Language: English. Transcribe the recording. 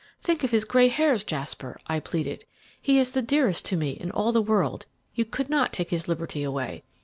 'Think of his grey hairs, Jasper,' I pleaded. 'He is the dearest to me in all the world; you could not take his liberty away.